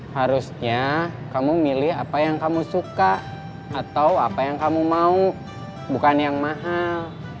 harusnya kamu milih apa yang kamu suka atau apa yang kamu mau bukan yang mahal